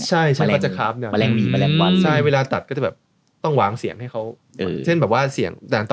ใช่หรอเป็นเสียงเขาเองหรอ